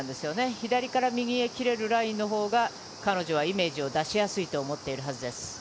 左から右に切れるラインのほうが彼女はイメージを出しやすいと思っているはずです。